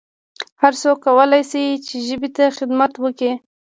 هرڅوک کولای سي چي ژبي ته خدمت وکړي